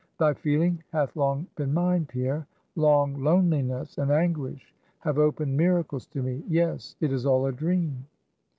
Thy feeling hath long been mine, Pierre. Long loneliness and anguish have opened miracles to me. Yes, it is all a dream!"